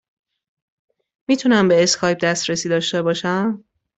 می توانم به اسکایپ دسترسی داشته باشم؟